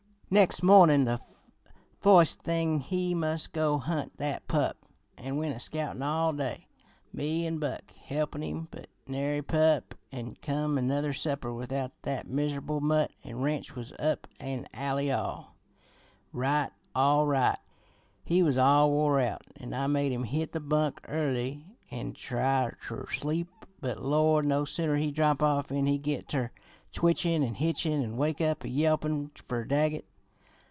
"Nex' mornin' the foist thing he must go hunt that pup, an' went a scoutin' all day, me an' Buck helpin' him but nary pup; an' come another supper without that miser'ble mutt, an' Ranch was up an alley all right, all right. He was all wore out, an' I made him hit the bunk early an' try ter sleep; but, Lord! No sooner he'd drop off 'n he git ter twitchin' an' hitchin' an' wake up a yelpin' fer Daggett.